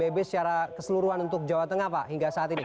psbb secara keseluruhan untuk jawa tengah pak hingga saat ini